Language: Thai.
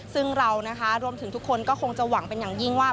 ซึ่งเรานะคะรวมถึงทุกคนก็คงจะหวังเป็นอย่างยิ่งว่า